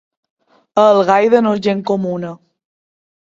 A Algaida no és gent comuna.